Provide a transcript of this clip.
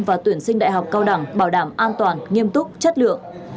và tuyển sinh đại học cao đẳng bảo đảm an toàn nghiêm túc chất lượng